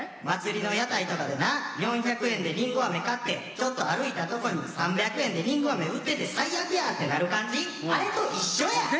祭りの屋台とかでな４００円でりんご飴買ってちょっと歩いたとこに３００円でりんご飴売ってて「最悪や！」ってなる感じあれと一緒や！